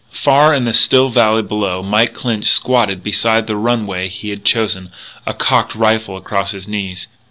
Far in the still valley below, Mike Clinch squatted beside the runway he had chosen, a cocked rifle across his knees.